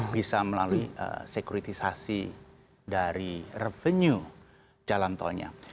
bisa melalui sekuritisasi dari revenue jalan tolnya